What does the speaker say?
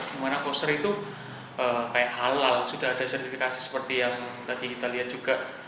dimana coaster itu kayak halal sudah ada sertifikasi seperti yang tadi kita lihat juga